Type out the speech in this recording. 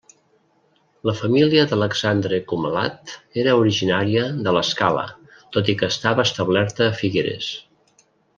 La família d’Alexandre Comalat era originària de l’Escala, tot i que estava establerta a Figueres.